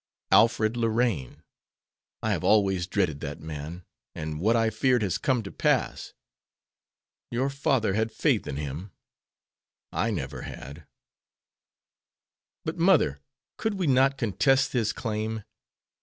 "Alfred Lorraine; I have always dreaded that man, and what I feared has come to pass. Your father had faith in him; I never had." "But, mother, could we not contest his claim.